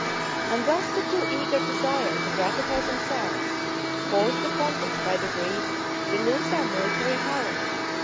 And thus the too eager desire to gratify themselves, caused the pontiffs by degrees to lose their military power.